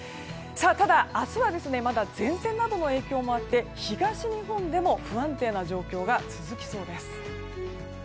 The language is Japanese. ただ、明日はまだ前線などの影響もあって東日本でも不安定な状況が続きそうです。